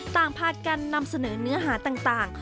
ต่างพากันนำเสนอเนื้อหาต่าง